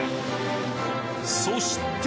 そして！